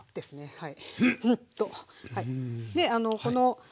はい。